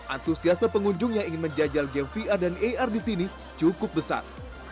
antusiasme pengunjung yang ingin menjajal game vr dan ar di sini cukup besar